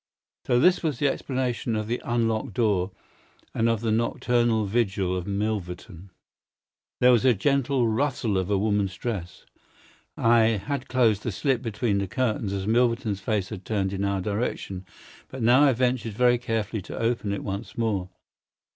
So this was the explanation of the unlocked door and of the nocturnal vigil of Milverton. There was the gentle rustle of a woman's dress. I had closed the slit between the curtains as Milverton's face had turned in our direction, but now I ventured very carefully to open it once more.